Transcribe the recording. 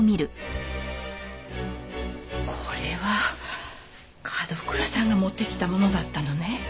これは角倉さんが持ってきたものだったのね。